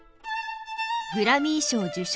グラミー賞受賞